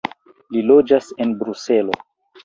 Li loĝis en Bruselo.